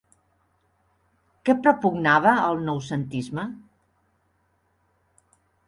Què propugnava el noucentisme?